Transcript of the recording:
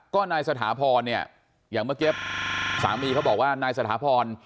ก็นายสถาพรเนี่ยอย่างเมื่อกี้สามีเขาบอกว่านายสถาพร